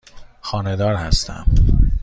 خانه دار هستم.